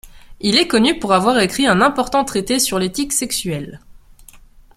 Il est connu pour avoir écrit un important traité sur l'éthique sexuelle.